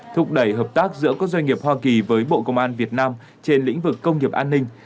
thúc đẩy hợp tác giữa các doanh nghiệp hoa kỳ với bộ công an việt nam trên lĩnh vực công nghiệp an ninh